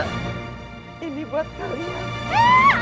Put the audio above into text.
ibu ini buat kalian